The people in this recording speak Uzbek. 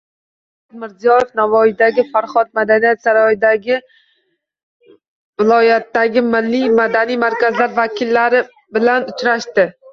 Shavkat Mirziyoyev Navoiydagi Farhod madaniyat saroyida viloyatdagi milliy madaniy markazlar vakillari bilan uchrashdi